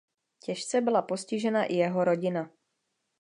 Těžce byla postižena i jeho rodina.